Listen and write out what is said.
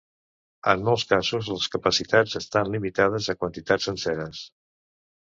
En molts casos, les capacitats estan limitades a quantitats senceres.